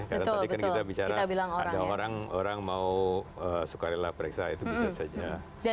karena tadi kan kita bicara ada orang orang mau sukarela periksa itu bisa saja